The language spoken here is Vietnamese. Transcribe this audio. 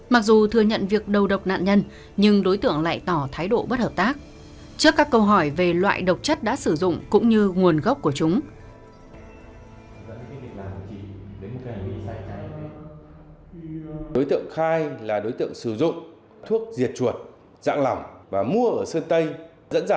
mặc dù thừa nhận việc đầu độc nạn nhân nhưng đối tượng lại tỏ thái độ bất hợp tác trước các câu hỏi về loại độc chất đã sử dụng cũng như nguồn gốc của chúng